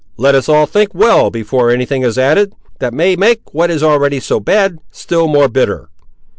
Let us all think well before any thing is added, that may make what is already so bad still more bitter."